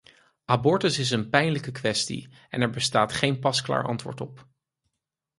Abortus is een pijnlijke kwestie, en er bestaat geen pasklaar antwoord op.